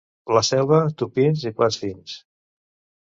La Selva, tupins i plats fins.